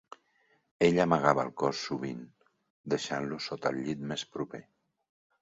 Ell amagava el cos sovint, deixant-lo sota el llit més proper.